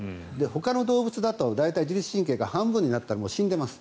ほかの動物だと自律神経が半分になったらもう死んでいます。